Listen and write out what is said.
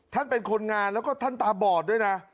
เป็นคนงานแล้วก็ท่านตาบอดด้วยนะ